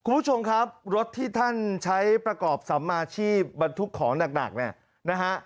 คุณผู้ชมครับรถที่ท่านใช้ประกอบสัมมาชีพบรรทุกของหนักเนี่ยนะฮะ